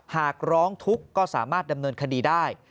หากร้องทุกข์ก็สามารถดำเนินคดีได้